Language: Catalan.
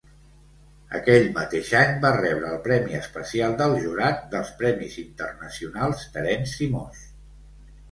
Aquell mateix any va rebre el Premi Especial del Jurat dels Premis Internacionals Terenci Moix.